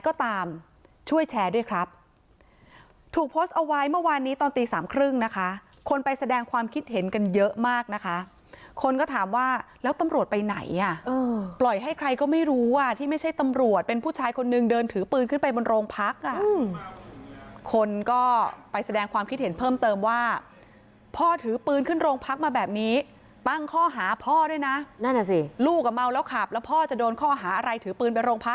ก็ตามช่วยแชร์ด้วยครับถูกโพสต์เอาไว้เมื่อวานนี้ตอนตีสามครึ่งนะคะคนไปแสดงความคิดเห็นกันเยอะมากนะคะคนก็ถามว่าแล้วตำรวจไปไหนอ่ะปล่อยให้ใครก็ไม่รู้ว่าที่ไม่ใช่ตำรวจเป็นผู้ชายคนหนึ่งเดินถือปืนขึ้นไปบนโรงพักอ่ะคนก็ไปแสดงความคิดเห็นเพิ่มเติมว่าพ่อถือปืนขึ้นโรงพักมาแบบนี้ตั้งข้อหา